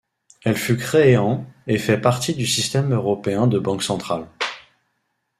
Elle fut créée en et fait partie du Système européen de banques centrales.